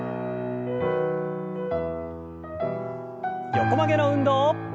横曲げの運動。